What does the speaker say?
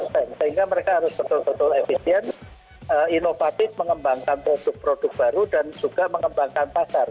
sehingga mereka harus betul betul efisien inovatif mengembangkan produk produk baru dan juga mengembangkan pasar